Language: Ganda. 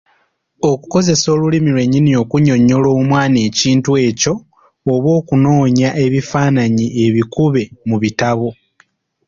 Okukozesa Olulimi lwennyini okunnyonnyola omwana ekintu ekyo oba okunoonya ebifaananyi ebikube mu bitabo.